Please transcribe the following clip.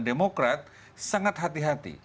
demokrat sangat hati hati